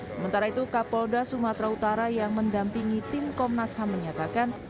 sementara itu kapolda sumatera utara yang mendampingi tim komnas ham menyatakan